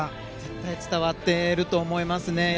絶対伝わっていると思いますね。